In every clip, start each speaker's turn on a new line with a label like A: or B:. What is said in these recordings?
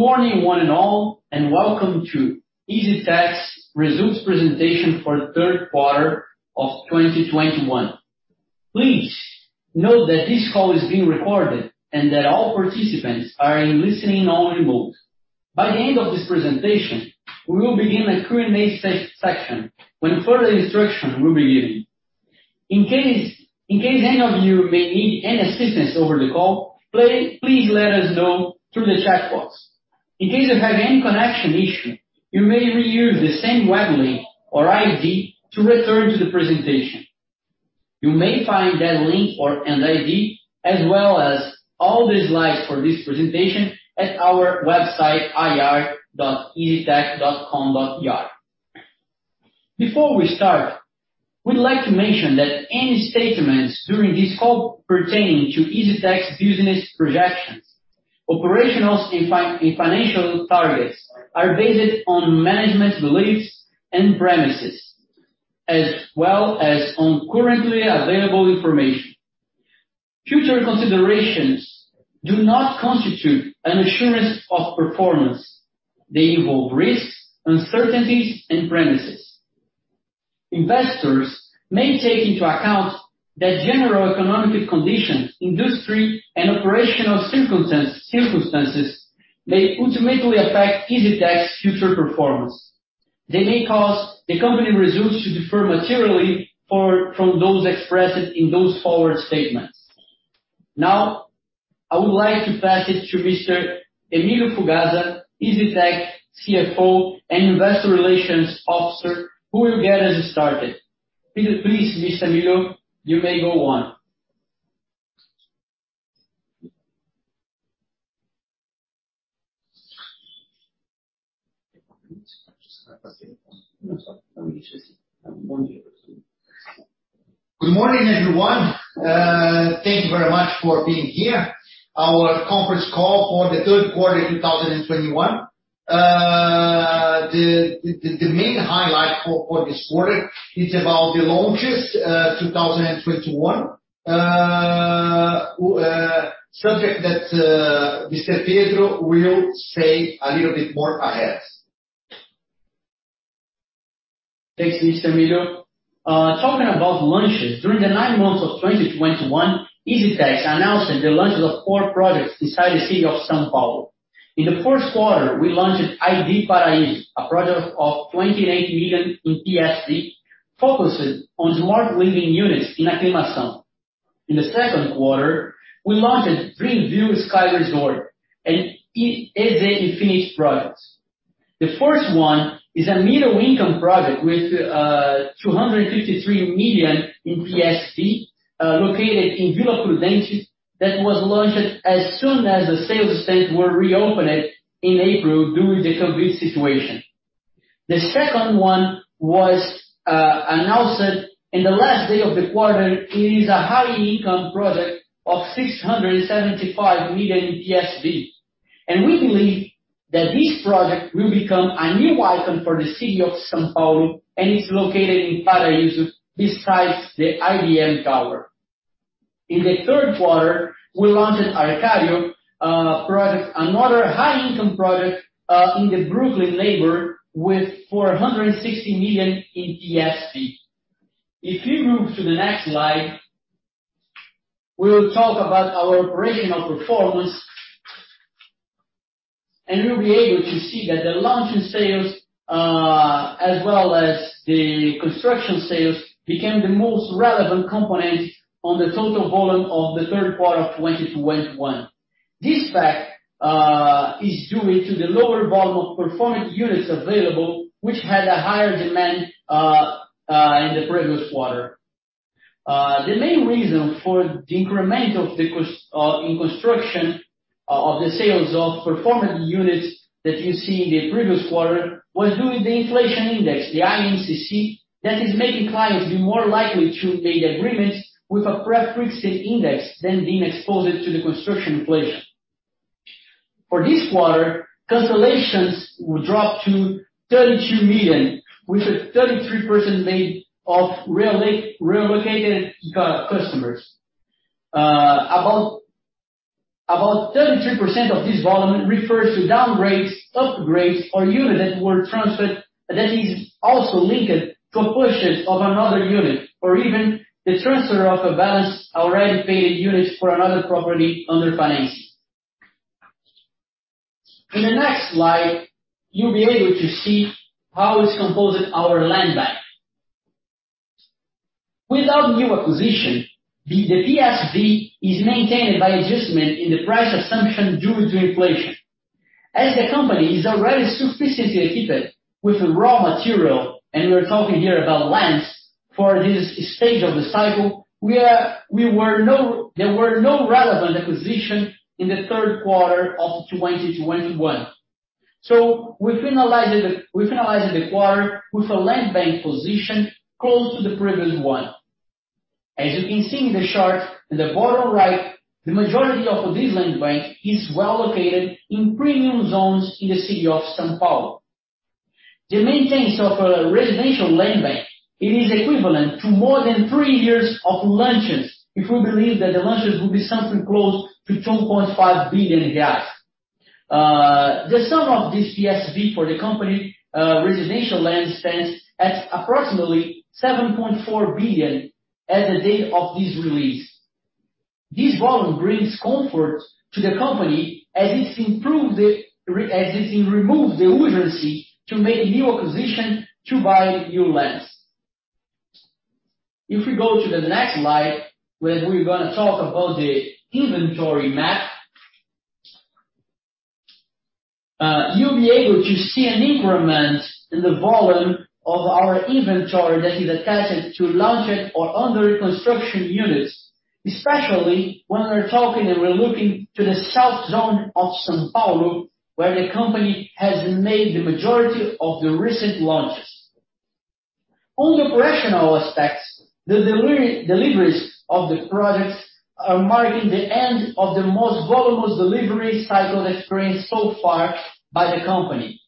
A: Good morning, one and all. Welcome to EZTEC results presentation for the third quarter of 2021. Please note that this call is being recorded and that all participants are in listen-only mode. By the end of this presentation, we will begin a Q&A session when further instruction will be given. In case any of you may need any assistance over the call, please let us know through the chat box. In case you have any connection issue, you may reuse the same web link or ID to return to the presentation. You may find that link or an ID as well as all the slides for this presentation at our website ri.eztec.com.br. Before we start, we'd like to mention that any statements during this call pertaining to EZTEC business projections, operational and financial targets are based on management beliefs and premises, as well as on currently available information. Future considerations do not constitute an assurance of performance. They involve risks, uncertainties and premises. Investors may take into account that general economic conditions, industry and operational circumstances may ultimately affect EZTEC future performance. They may cause the company results to differ materially from those expressed in those forward statements. Now, I would like to pass it to Mr. Emilio Fugazza, EZTEC CFO and Investor Relations Officer, who will get us started. Please, Mr. Emilio, you may go on.
B: Good morning, everyone. Thank you very much for being here. Our conference call for the third quarter 2021. The main highlight for this quarter is about the launches 2021. Subject that Mr. Pedro will say a little bit more ahead.
A: Thanks, Mr. Emilio. Talking about launches, during the nine months of 2021, EZTEC announced the launch of four projects in the city of São Paulo. In the first quarter, we launched ID Paraíso, a project of 28 million in PSV, focusing on smart living units in Aclimação. In the second quarter, we launched Dream View Sky Resort and EZ Infinity projects. The first one is a middle income project with 253 million in PSV, located in Vila Prudente that was launched as soon as the sales stands were reopened in April due to the COVID situation. The second one was announced in the last day of the quarter. It is a high income project of 675 million PSV. We believe that this project will become a new icon for the city of São Paulo, and it's located in Paraisópolis besides the IBM tower. In the third quarter, we launched Arkade project, another high income project, in the Brooklin Novo with 460 million in PSV. If you move to the next slide, we will talk about our operational performance. You'll be able to see that the launch and sales, as well as the construction sales became the most relevant components on the total volume of the third quarter of 2021. This fact is due to the lower volume of performance units available, which had a higher demand in the previous quarter. The main reason for the increment in the sales of performance units that you see in the previous quarter was due to the inflation index, the INCC, that is making clients be more likely to make agreements with a prefixed index than being exposed to the construction inflation. For this quarter, cancellations will drop to 32 million, with a 33% made up of relocated customers. About 33% of this volume refers to downgrades, upgrades, or units that were transferred that is also linked to a purchase of another unit or even the transfer of a balance already paid units for another property under financing. In the next slide, you'll be able to see how it's composing our land bank. Without new acquisition, the PSV is maintained by adjustment in the price assumption due to inflation. As the company is already sufficiently equipped with raw material, and we're talking here about lands, for this stage of the cycle, there were no relevant acquisition in the third quarter of 2021. We finalized the quarter with a land bank position close to the previous one. As you can see in the chart in the bottom right, the majority of this land bank is well located in premium zones in the city of São Paulo. The maintenance of a residential land bank, it is equivalent to more than three years of launches, if we believe that the launches will be something close to 2.5 billion reais. The sum of this PSV for the company, residential land stands at approximately 7.4 billion at the date of this release. This volume brings comfort to the company as it removes the urgency to make new acquisition to buy new lands. If we go to the next slide, where we're going to talk about the inventory map. You'll be able to see an increment in the volume of our inventory that is attached to launching or under construction units, especially when we're talking and we're looking to the south zone of São Paulo, where the company has made the majority of the recent launches. On the operational aspects, the deliveries of the products are marking the end of the most voluminous delivery cycle experienced so far by the company.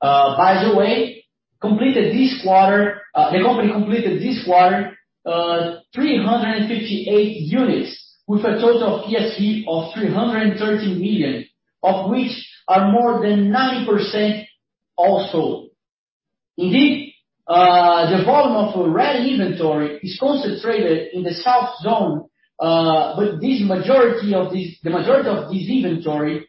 A: By the way, the company completed this quarter 358 units with a total of PSV of 313 million, of which more than 90% are all sold. Indeed, the volume of ready inventory is concentrated in the south zone, but the majority of this inventory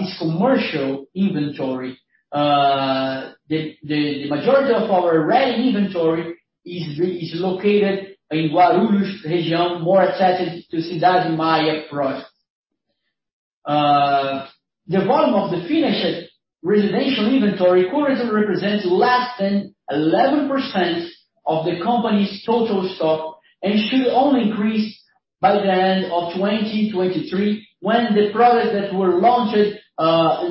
A: is commercial inventory. The majority of our ready inventory is located in Guarulhos region, more attached to Cidade Maia project. The volume of the finished residential inventory currently represents less than 11% of the company's total stock, and it should only increase by the end of 2023 when the products that were launched in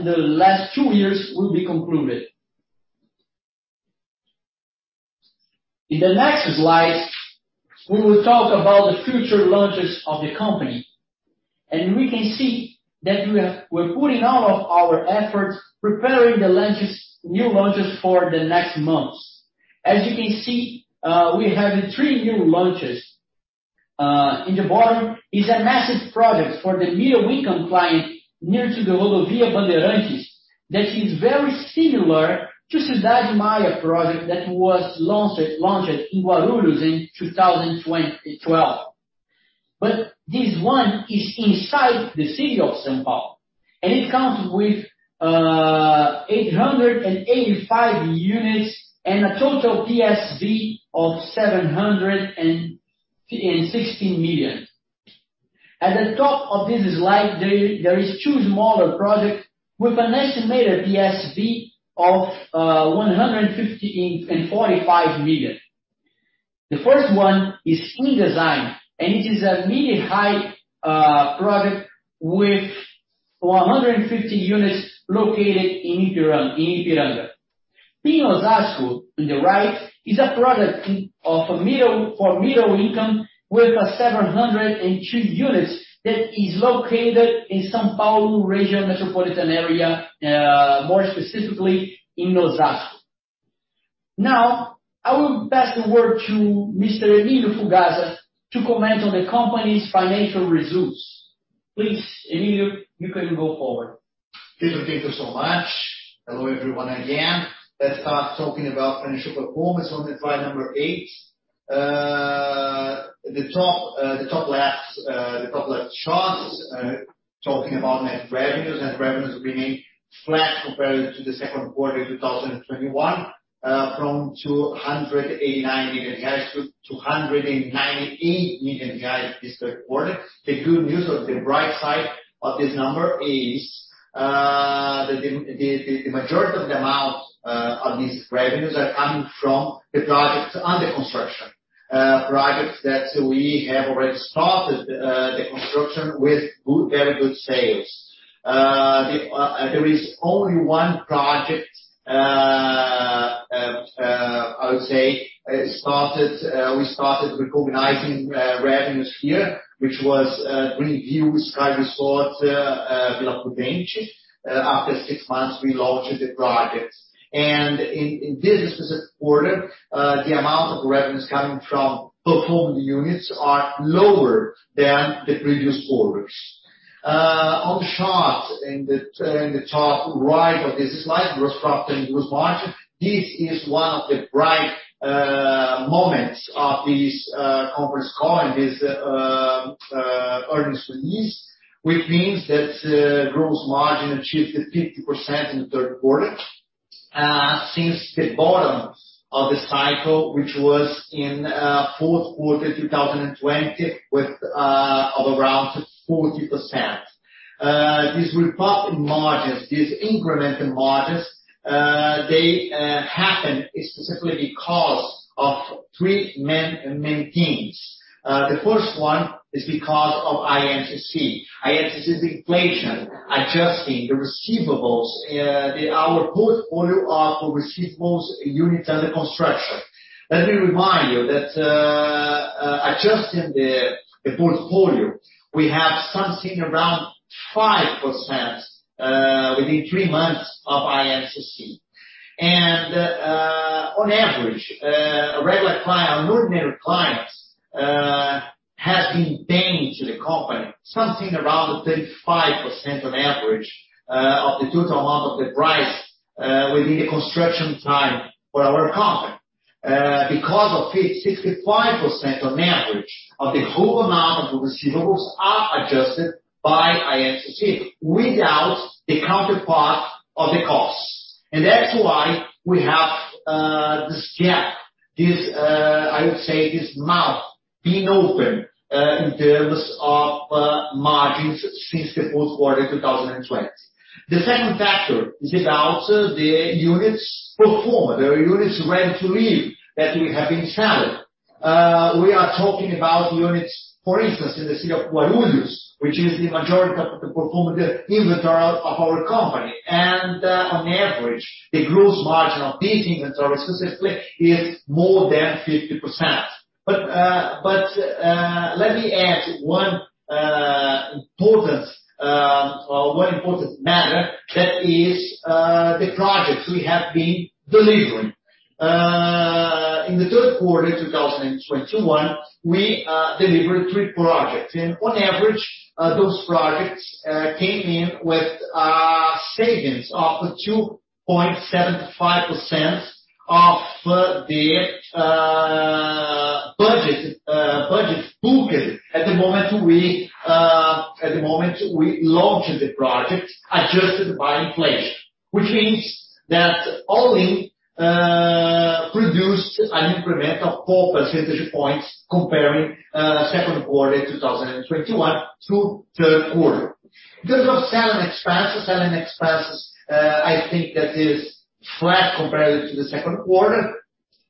A: the last two years will be concluded. In the next slide, we will talk about the future launches of the company, and we can see that we're putting all of our efforts preparing the launches, new launches for the next months. As you can see, we have three new launches. In the bottom is a massive project for the middle income client near to the Rodovia Bandeirantes that is very similar to Cidade Maia project that was launched in Guarulhos in 2012. This one is inside the city of São Paulo, and it comes with 885 units and a total PSV of 716 million. At the top of this slide, there are two smaller projects with an estimated PSV of 150 million and 45 million. The first one is In Design Ipiranga, and it is a mid-high project with 150 units located in Ipiranga. Up!side Osasco on the right is a project for middle income with 702 units that is located in São Paulo metropolitan area, more specifically in Osasco. Now, I will pass the word to Mr. Emilio Fugazza to comment on the company's financial results. Please, Emilio, you can go forward.
B: Pedro, thank you so much. Hello, everyone again. Let's start talking about financial performance on the slide eight. The top left chart is talking about net revenues remain flat compared to the second quarter 2021, from 289 million to 298 million this third quarter. The good news or the bright side of this number is, the majority of the amount of these revenues are coming from the projects under construction, projects that we have already started the construction with good, very good sales. There is only one project, I would say, started, we started recognizing revenues here, which was, Dream View Sky Resort, Vila Prudente. After six months, we launched the project. In this specific quarter, the amount of revenues coming from performing units are lower than the previous quarters. On the chart in the top right of this slide, gross profit and gross margin, this is one of the bright moments of this conference call in this earnings release, which means that gross margin achieved 50% in the third quarter since the bottom of the cycle, which was in fourth quarter 2020 of around 40%. This upturn in margins, this increment in margins, they happen specifically because of three main things. The first one is because of IPCA. IPCA is inflation adjusting the receivables, our portfolio of receivables units under construction. Let me remind you that, adjusting the portfolio, we have something around 5% within three months of INCC. On average, a regular client, an ordinary client, has been paying to the company something around 35% on average of the total amount of the price within the construction time for our company. Because of this 65% on average of the whole amount of the receivables are adjusted by INCC without the counterpart of the costs. That's why we have this gap, I would say, this mouth being open in terms of margins since the fourth quarter 2020. The second factor is about the units performed, the units ready to live that we have been selling. We are talking about units, for instance, in the city of Guarulhos, which is the majority of the performed inventory of our company. On average, the gross margin of this inventory specifically is more than 50%. Let me add one important matter that is the projects we have been delivering. In the third quarter 2021, we delivered three projects. On average, those projects came in with savings of 2.75% of the budget booked at the moment we launched the project adjusted by inflation. Which means that only produced an increment of four percentage points comparing second quarter 2021 to third quarter. In terms of selling expenses, I think that is flat compared to the second quarter.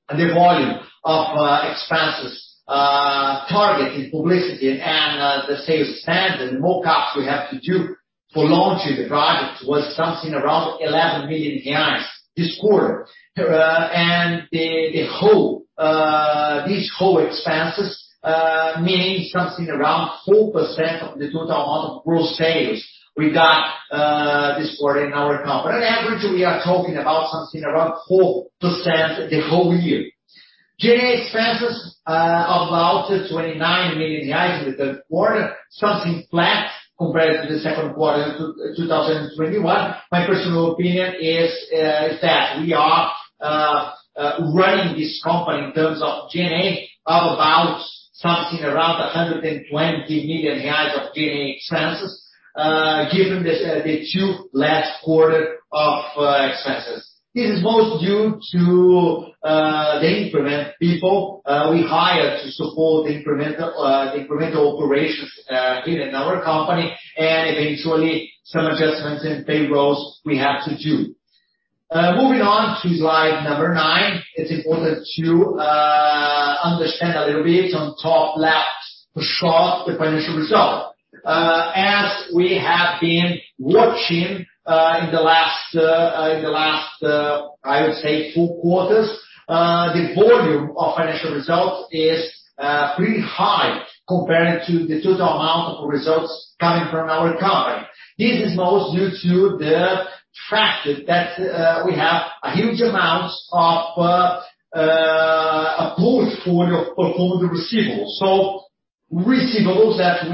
B: The volume of expenses targeting publicity and the sales stand and mock-ups we have to do for launching the project was something around 11 million reais this quarter. And the whole expenses meaning something around 4% of the total amount of gross sales we got this quarter in our company. On average, we are talking about something around 4% the whole year. G&A expenses about 29 million in the third quarter, something flat compared to the second quarter 2021. My personal opinion is that we are running this company in terms of G&A of about something around 120 million of G&A expenses, given this, the two last quarter of expenses. It is most due to the incremental people we hired to support the incremental operations in our company, and eventually some adjustments in payrolls we have to do. Moving on to slide number nine, it's important to understand a little bit on top left the chart, the financial result. As we have been watching in the last, I would say four quarters, the volume of financial results is pretty high compared to the total amount of results coming from our company. This is most due to the fact that we have a huge amount of a portfolio of performing receivables. Receivables that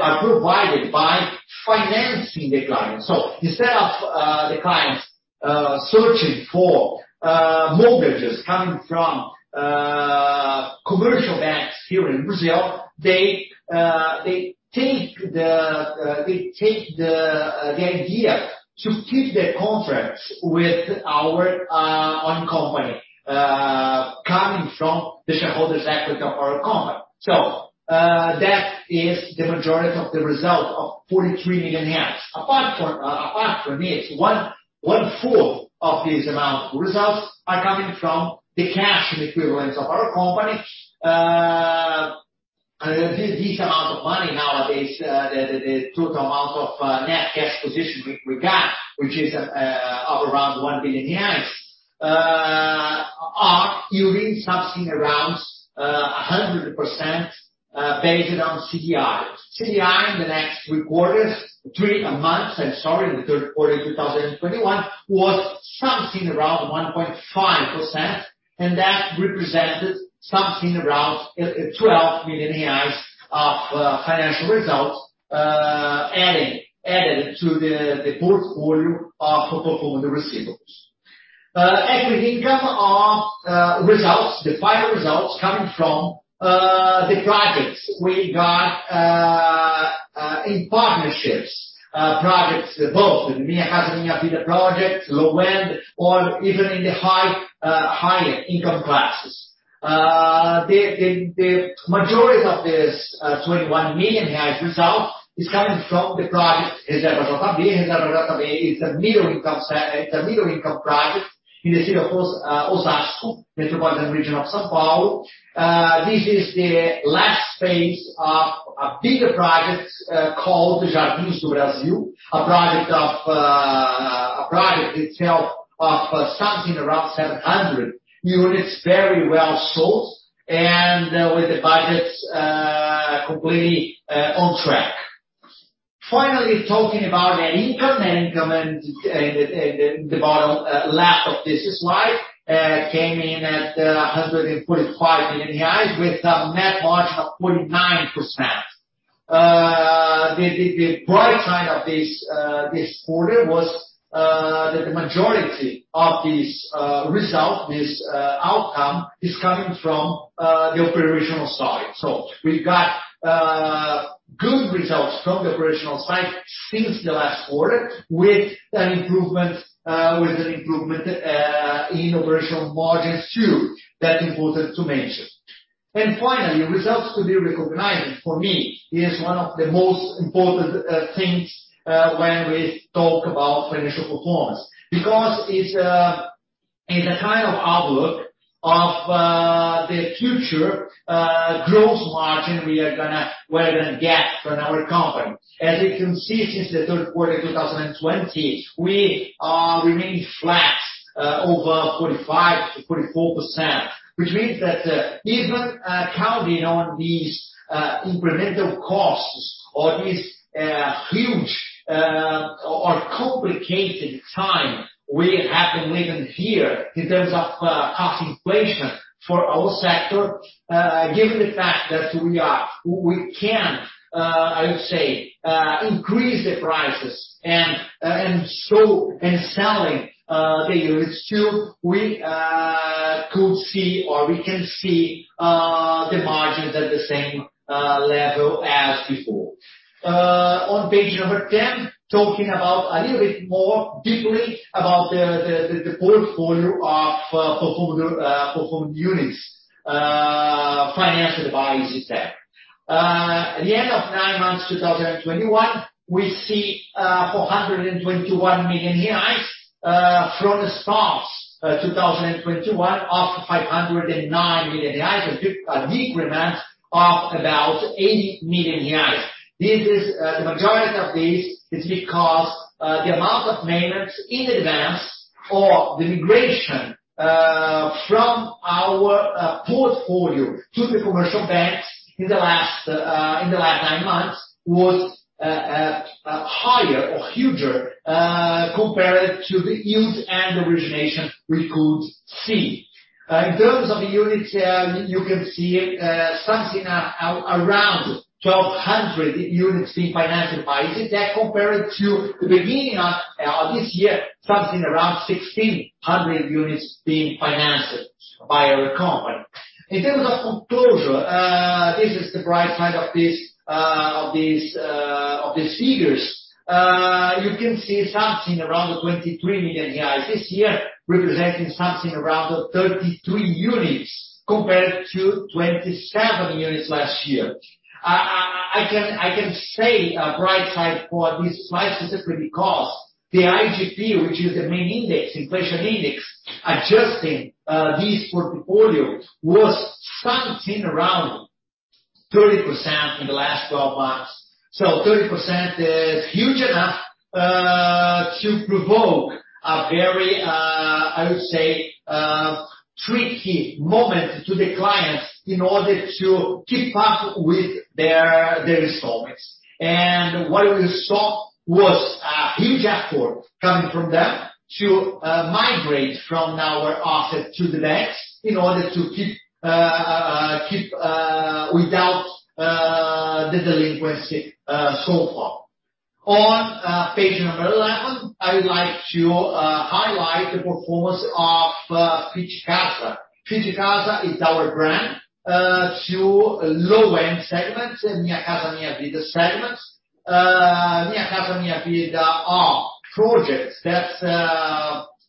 B: are provided by financing the clients. Instead of the clients searching for mortgages coming from commercial banks here in Brazil, they take the idea to keep the contracts with our own company coming from the shareholders' equity of our company. That is the majority of the result of 43 million. Apart from this, one-fourth of these amount of results are coming from the cash and equivalents of our company. These amount of money nowadays, the total amount of net cash position we got, which is of around 1 billion, are yielding something around 100% based on Selic. Selic in the next three quarters, three months, I'm sorry, in the third quarter 2021, was something around 1.5%, and that represented something around 12 million reais of financial results, added to the portfolio of performed receivables. Equity income are results, the final results coming from the projects we got in partnerships, projects both in Casa Verde e Amarela project, low end, or even in the higher income classes. The majority of this 21 million reais result is coming from the project Reserva JB. Reserva JB is the middle income project in the city of Osasco, the metropolitan region of São Paulo. This is the last phase of a bigger project called Parque da Cidade, a project itself of something around 700 units very well sold and with the budgets completely on track. Finally, talking about net income. Net income in the bottom left of this slide came in at 145 million with a net margin of 49%. The bright side of this quarter was the majority of this result, this outcome is coming from the operational side. We got good results from the operational side since the last quarter with an improvement in operational margins too. That's important to mention. Finally, results to be recognized for me is one of the most important things when we talk about financial performance. Because it's a kind of outlook of the future gross margin we're going to get from our company. As you can see, since the third quarter 2020, we are remaining flat over 45, 44%, which means that even accounting for these incremental costs or this huge or complicated time we have been living here in terms of cost inflation for our sector, given the fact that we can't, I would say, increase the prices and selling the units too, we could see or we can see the margins at the same level as before. On page 10, talking a little bit more deeply about the portfolio of performed units financed by EZTEC. At the end of nine months 2021, we see 421 million reais from the start of 2021 of 509 million reais, a decrease of about 80 million reais. This is the majority of this because the amount of maintenance in advance or the migration from our portfolio to the commercial banks in the last nine months was higher compared to the yield and origination we could see. In terms of units, you can see something around 1,200 units being financed by EZTEC compared to the beginning of this year, something around 1,600 units being financed by our company. In terms of conclusion, this is the bright side of this, of these figures. You can see something around 23 million this year, representing something around 33 units compared to 27 units last year. I can say a bright side for this slide specifically because the IGP, which is the main index, inflation index, adjusting this portfolio was something around 30% in the last twelve months. 30% is huge enough to provoke a very, I would say, tricky moment to the clients in order to keep up with their installments. What we saw was a huge effort coming from them to migrate from our asset to the banks in order to keep without the delinquency so far. On page number 11, I would like to highlight the performance of FitCasa. FitCasa is our brand to low-end segments, Minha Casa, Minha Vida segments. Minha Casa, Minha Vida are projects that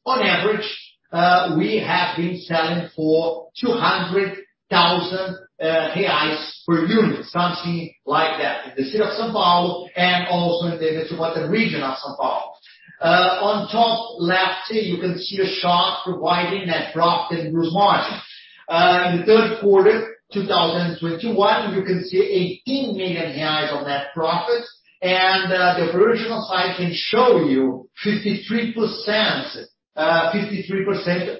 B: on average we have been selling for 200,000 reais per unit, something like that. In the city of São Paulo and also in the metropolitan region of São Paulo. On top left here you can see a chart providing net profit and gross margin. In the third quarter 2021, you can see 18 million reais on net profits and the operational side can show you 53%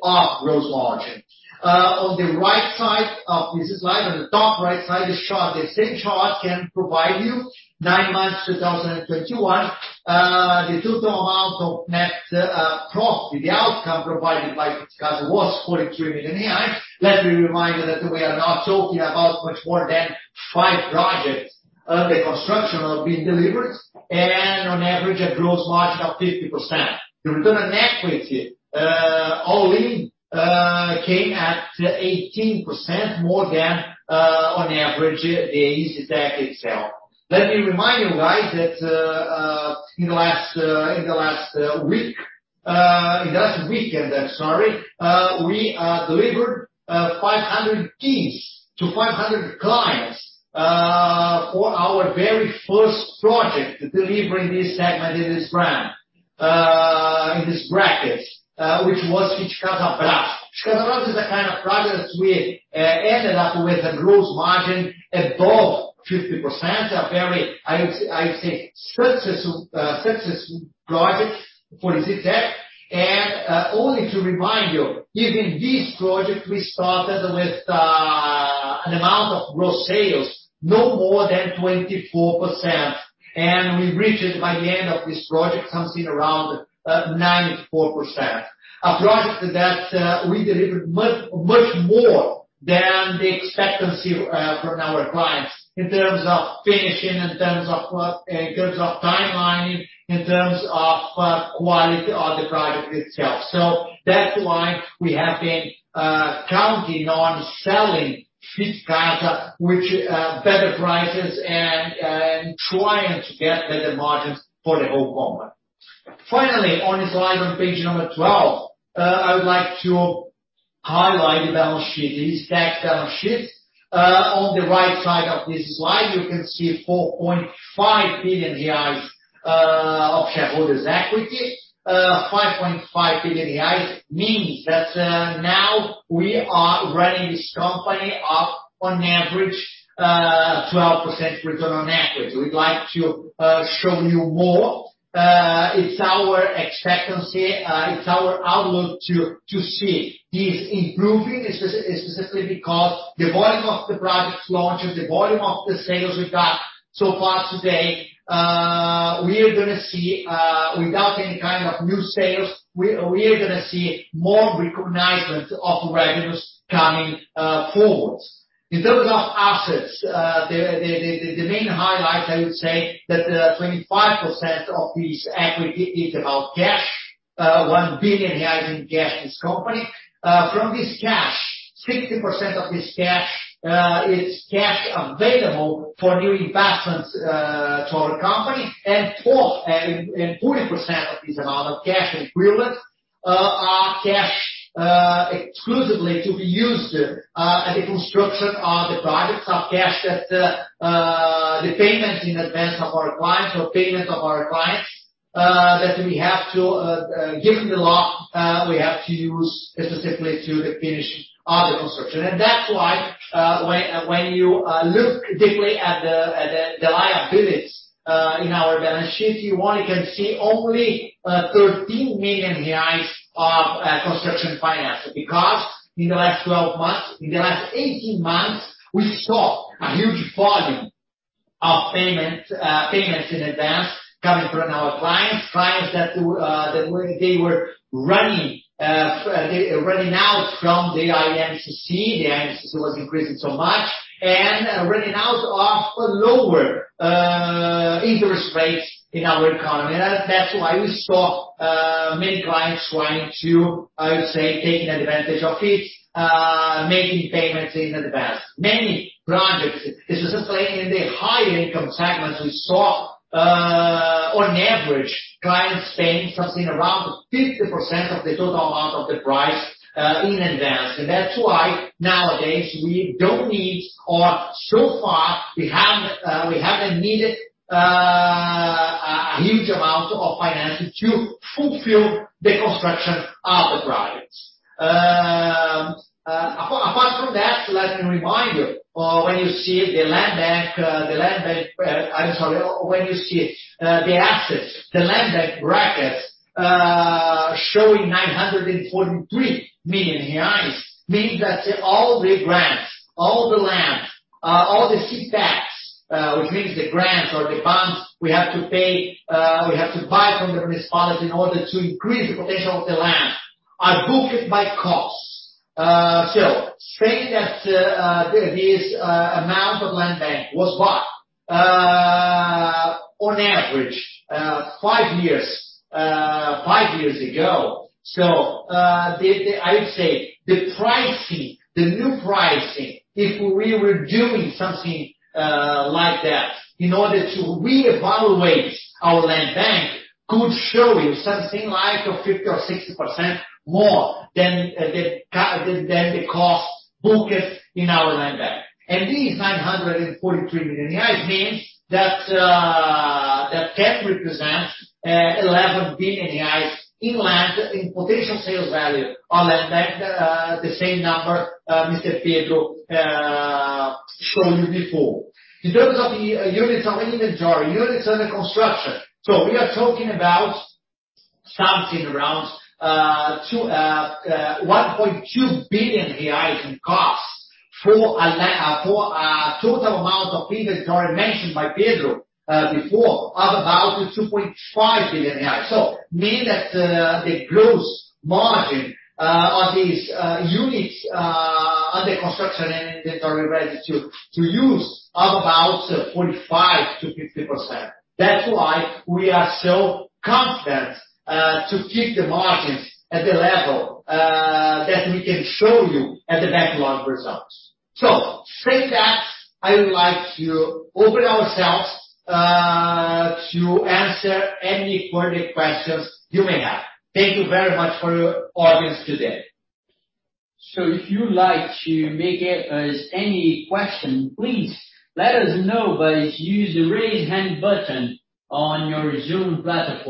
B: of gross margin. On the right side of this slide, on the top right side, the chart, the same chart can provide you nine months 2021, the total amount of net profit. The outcome provided by FitCasa was BRL 43 million. Let me remind you that we are now talking about much more than five projects under construction or being delivered, and on average a gross margin of 50%. The return on equity, all in, came at 18% more than on average in EZTEC itself. Let me remind you guys that in last weekend, we delivered 500 keys to 500 clients for our very first project delivering this segment in this brand. In this bracket, which was FitCasa Brás. FitCasa Brás is the kind of projects we ended up with a gross margin above 50%. A very successful project for EZTEC. Only to remind you, even this project we started with an amount of gross sales no more than 24%, and we reached it by the end of this project, something around 94%. A project that we delivered much more than the expectations from our clients in terms of finishing, in terms of timeliness, in terms of quality of the project itself. That's why we have been counting on selling FitCasa Brás, which better prices and trying to get better margins for the whole company. Finally, on this slide on page 12, I would like to highlight the balance sheet, the exact balance sheet. On the right side of this slide, you can see 4.5 billion reais of shareholders' equity. 5.5 billion reais means that now we are running this company with an average 12% return on equity. We'd like to show you more. It's our expectancy, it's our outlook to see this improving specifically because the volume of the project launches, the volume of the sales we got so far today, we are going to see, without any kind of new sales, we are going to see more recognition of revenues coming forward. In terms of assets, the main highlight, I would say that the 25% of this equity is about cash. 1 billion in cash this company. From this cash, 60% of this cash is cash available for new investments to our company. 40% of this amount of cash equivalents are cash exclusively to be used at the construction of the projects. Are cash that the payments in advance of our clients or payments of our clients that we have to given the law we have to use specifically to the finish of the construction. That's why, when you look deeply at the liabilities in our balance sheet, you only can see 13 million reais of construction financing. Because in the last 18 months, we saw a huge volume of payments in advance coming from our clients. Clients that when they were running out from the INCC, the INCC was increasing so much, and running out of lower interest rates in our economy. That's why we saw many clients trying to, I would say, taking advantage of this, making payments in advance. Many projects, specifically in the higher income segments, we saw, on average, clients paying something around 50% of the total amount of the price in advance. That's why nowadays we don't need or so far we haven't needed a huge amount of financing to fulfill the construction of the projects. Apart from that, let me remind you, when you see the assets, the land bank brackets showing 943 million reais, means that all the grants, all the land, all the CEPACs, which means the grants or the bonds we have to pay, we have to buy from the municipalities in order to increase the potential of the land, are booked by costs. Saying that, this amount of land bank was bought on average five years ago. I would say the pricing, the new pricing, if we were doing something like that in order to reevaluate our land bank, could show you something like 50% or 60% more than the cost booked in our land bank. These 943 million means that that can represent 11 billion in land, in potential sales value on land bank, the same number Mr. Pedro showed you before. In terms of the units on inventory, units under construction, we are talking about something around 1.2 billion reais in costs for a total amount of inventory mentioned by Pedro before, of about 2.5 billion. I mean that the gross margin on these units under construction and inventory ready to use are about 45%-50%. That's why we are so confident to keep the margins at the level that we can show you at the backlog results. Saying that, I would like to open ourselves to answer any further questions you may have. Thank you very much for your attention today. If you would like to ask us any questions, please let us know by using the Raise Hand button on your Zoom platform.